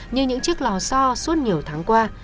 như những chiếc lò so suốt nhiều tháng qua